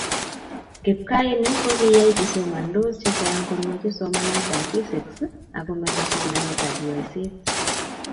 Kipkaaini ko ki koyai chesomandos chechang korwochi somanetab fisikis ako meto somanetab yoisiet